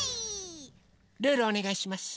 ルールおねがいします。